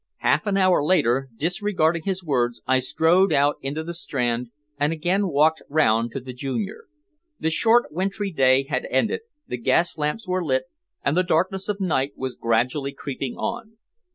Half an hour later, disregarding his words, I strode out into the Strand, and again walked round to the "Junior." The short wintry day had ended, the gas lamps were lit, and the darkness of night was gradually creeping on.